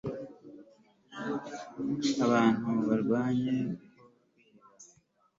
abantu barwaye bakunda kwiheba